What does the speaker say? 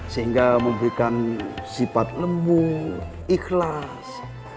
sehingga memberikan sifat lembu ikhlas